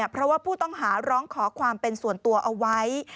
เพราะว่าผู้ต้องหาร้องขอความเป็นส่วนตัวเอาไว้